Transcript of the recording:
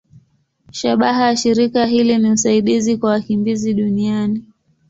Shabaha ya shirika hili ni usaidizi kwa wakimbizi duniani.